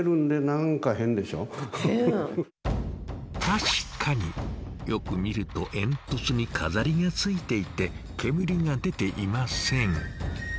確かによく見ると煙突に飾りがついていて煙が出ていません。